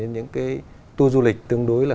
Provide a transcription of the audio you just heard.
những tour du lịch tương đối là